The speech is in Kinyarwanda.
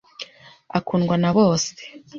Akundwa na bose.